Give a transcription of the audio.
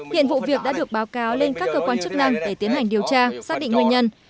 hiện vụ việc đã được báo cáo lên các cơ quan chức năng để tiến hành điều tra xác định nguyên nhân